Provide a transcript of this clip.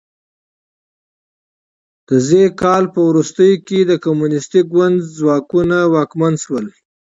د ز کال په وروستیو کې د کمونیستي ګوند ځواکونه واکمن شول.